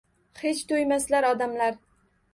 Hech to’ymaslar odamlar.